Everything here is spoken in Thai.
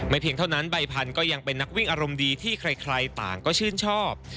เพียงเท่านั้นใบพันธุ์ก็ยังเป็นนักวิ่งอารมณ์ดีที่ใครต่างก็ชื่นชอบ